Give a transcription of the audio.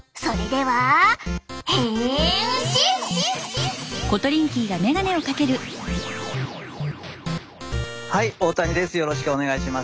はい大谷です。